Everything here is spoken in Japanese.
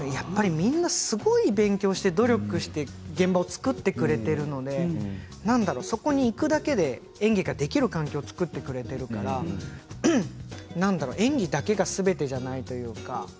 みんなすごく勉強して努力をして現場を作ってくれているのでそこに行くだけで演技ができる環境を作ってくれているから演技だけがすべてじゃないというか。